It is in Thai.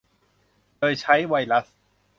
โดยใช้ไวรัส